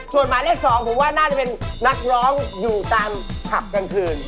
ส่วนหมายเลข๒ผมว่าน่าจะเป็นนักร้องอยู่ตามผับกลางคืน